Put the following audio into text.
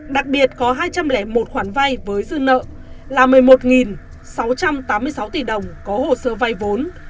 đặc biệt có hai trăm linh một khoản vay với dư nợ là một mươi một sáu trăm tám mươi sáu tỷ đồng có hồ sơ vay vốn